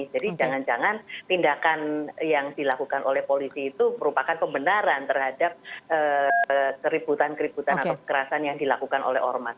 jadi jangan jangan tindakan yang dilakukan oleh polisi itu merupakan pembenaran terhadap keributan keributan atau kekerasan yang dilakukan oleh ormas